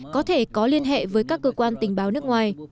có thể có liên hệ với các cơ quan tình báo nước ngoài